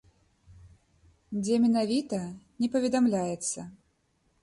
Дзе менавіта, не паведамляецца.